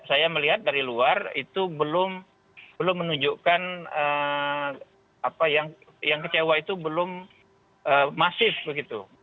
saya melihat dari luar itu belum menunjukkan apa yang kecewa itu belum masif begitu